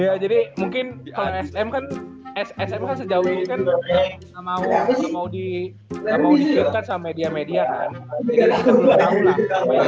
iya jadi mungkin sm kan sejauh ini kan nggak mau di shoot kan sama media media kan